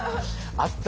あった。